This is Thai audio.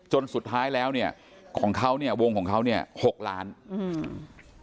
จนสุดท้ายแล้วเนี่ยของเขาเนี่ยวงของเขาเนี่ยหกล้านอืม